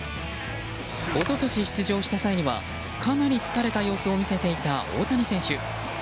一昨年、出場した際にはかなり疲れた様子を見せていた大谷選手。